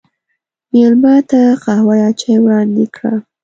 مېلمه ته قهوه یا چای وړاندې کړه.